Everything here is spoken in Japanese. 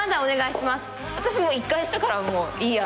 私もう１回したからもういいや。